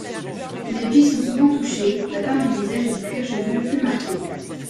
Les plis sont souvent touchés, l'atteinte du visage et du cuir chevelu plus marquée.